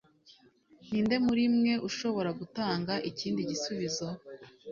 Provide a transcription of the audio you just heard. Ninde muri mwe ushobora gutanga ikindi gisubizo?